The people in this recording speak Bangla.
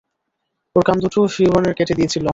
ওর কান দুটোও ফিওরনের কেটে নিয়েছিল।